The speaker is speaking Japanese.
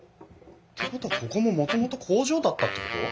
ってことはここももともと工場だったってこと！？